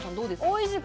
おいしい。